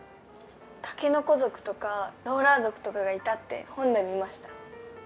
竹の子族とかローラー族とかがいたって本で見ました。